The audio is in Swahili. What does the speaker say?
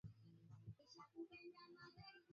Kata vipande vidogo vidogo vya vitunguu